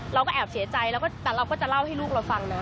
เราก็แอบเสียใจแล้วก็แต่เราก็จะเล่าให้ลูกเราฟังนะ